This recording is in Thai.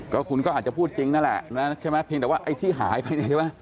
ก็คุณก็อาจจะพูดจริงนั่นแหละใช่ไหมเพียงแต่ไอ้ที่หายไป